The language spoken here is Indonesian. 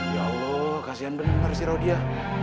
ya allah kasihan bener sih roh dia